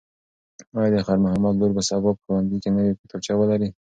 ایا د خیر محمد لور به سبا په ښوونځي کې نوې کتابچه ولري؟